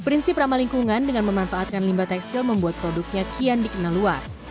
prinsip ramah lingkungan dengan memanfaatkan limbah tekstil membuat produknya kian dikenal luas